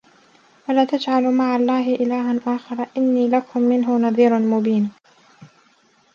وَلا تَجعَلوا مَعَ اللَّهِ إِلهًا آخَرَ إِنّي لَكُم مِنهُ نَذيرٌ مُبينٌ